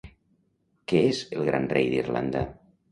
Què és el Gran rei d'Irlanda?